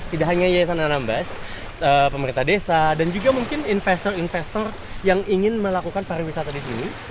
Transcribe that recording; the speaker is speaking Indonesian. tidak hanya yayasan anambas pemerintah desa dan juga mungkin investor investor yang ingin melakukan pariwisata di sini